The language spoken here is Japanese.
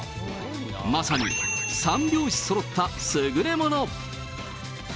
まさに３拍子そろった優れもの。